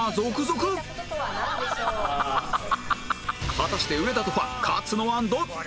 果たして上田とファン勝つのはどっち？